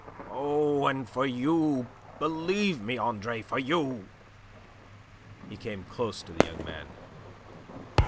"Oh, and for you, believe me, Andre, for you!" He came close to the young man.